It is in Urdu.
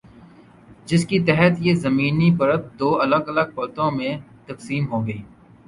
جس کی تحت یہ زمینی پرت دو الگ الگ پرتوں میں تقسیم ہوگی۔